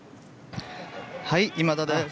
はい、今田です。